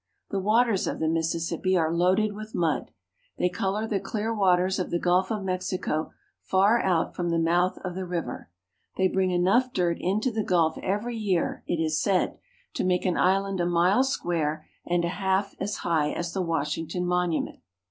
The waters of the Mississippi are loaded with mud. They color the clear waters of the Gulf of Mexico far out from the mouth of the river. They bring enough dirt into the gulf every year, it is said, to make an island a mile square and half as high as the Washington Monument.